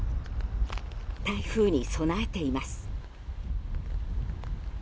台風に備えています。